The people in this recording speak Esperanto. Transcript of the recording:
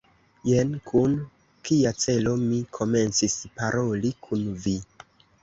Jen kun kia celo mi komencis paroli kun vi!